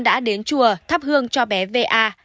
đã đến chùa thắp hương cho bé va